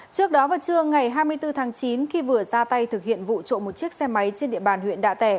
trước đó vào trưa ngày hai mươi bốn tháng chín khi vừa ra tay thực hiện vụ trộm một chiếc xe máy trên địa bàn huyện đạ tẻ